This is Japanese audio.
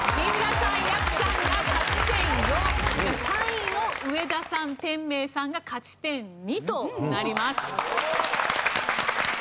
３位の上田さん天明さんが勝ち点２となります。